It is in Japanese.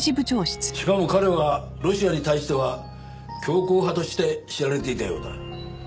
しかも彼はロシアに対しては強硬派として知られていたようだ。